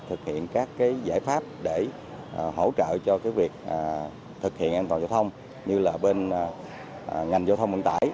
thực hiện các giải pháp để hỗ trợ cho việc thực hiện an toàn giao thông như là bên ngành giao thông vận tải